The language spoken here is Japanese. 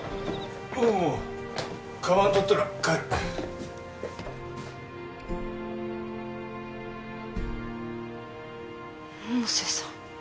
おうカバン取ったら帰る百瀬さん